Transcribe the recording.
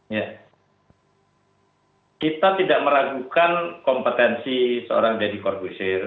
ya kita tidak meragukan kompetensi seorang deddy korkusir